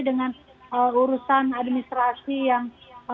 dengan urusan administrasi yang